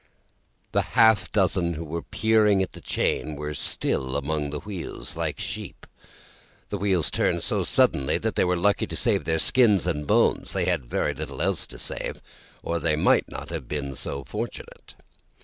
The half dozen who were peering at the chain were still among the wheels, like sheep; the wheels turned so suddenly that they were lucky to save their skins and bones; they had very little else to save, or they might not have been so fortunate.